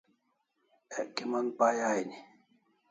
Ek kimon pay aini